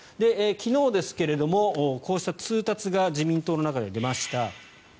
昨日ですけれどもこうした通達が自民党の中で出ました。